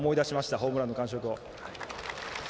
ホームランの感触を。